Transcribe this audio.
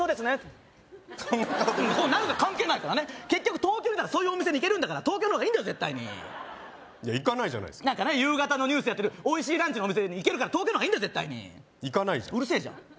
こうなる関係ないからね結局東京出たらそういうお店に行けるんだから東京の方がいいんだよ絶対に行かないじゃないですか夕方のニュースでやってるおいしいランチのお店に行けるから東京の方がいいんだよ絶対に行かないじゃんうるせえじゃん